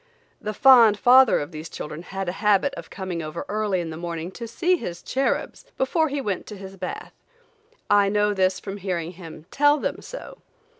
The fond father of these children had a habit of coming over early in the morning to see his cherubs, before he went to his bath. I know this from hearing him tell them so.